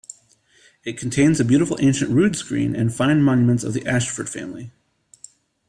It contains a beautiful ancient rood-screen, and fine monuments of the Ayshford family.